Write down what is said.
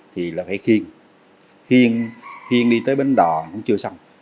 thì là phải khiên khiên đi tới bến đò cũng chưa xong